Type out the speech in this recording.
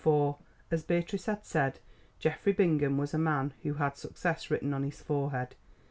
For, as Beatrice had said, Geoffrey Bingham was a man who had success written on his forehead.